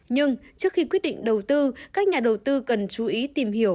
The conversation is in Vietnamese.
nhưng trước khi quyết định đầu tư các nhà đầu tư cần chú ý tìm hiểu